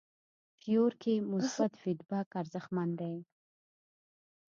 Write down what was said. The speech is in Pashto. فیور کې مثبت فیډبک ارزښتمن دی.